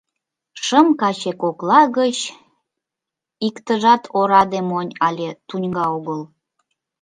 Шым каче кокла гыч иктыжат ораде монь але туньга огыл!